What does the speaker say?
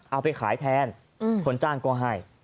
เอาไปขายแทนคนจ้างก็ให้